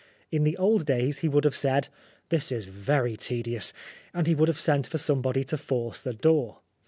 In the old days he would have said, "This is very tedious," and he would have sent for some body to force the door.